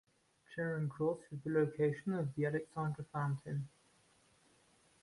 Charing Cross is the location of the Alexandra Fountain.